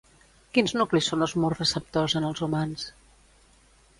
Quins nuclis són osmoreceptors en els humans?